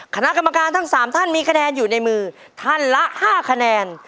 คณะกรรมการทั้ง๓ท่านมีคะแนนอยู่ในมือท่านละ๕คะแนน